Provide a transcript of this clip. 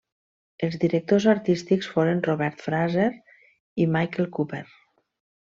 Els directors artístics foren Robert Fraser i Michael Cooper.